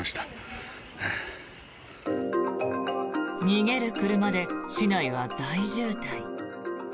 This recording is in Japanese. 逃げる車で市内は大渋滞。